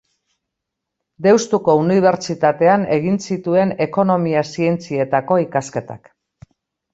Deustuko Unibertsitatean egin zituen ekonomia-zientzietako ikasketak.